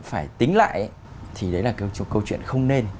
phải tính lại thì đấy là cái câu chuyện không nên